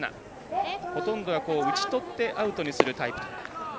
ほとんどが打ちとってアウトにするタイプと。